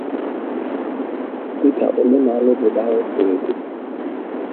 dịka omenala obodo ahụ siri dị.